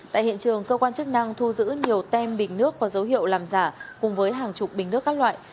tại hiện trường cơ quan chức năng thu giữ nhiều tem bình nước có dấu hiệu làm giả cùng với hàng chục bình nước các loại